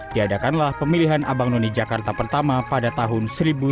diadakanlah pemilihan abang none jakarta pertama pada tahun seribu sembilan ratus tujuh puluh satu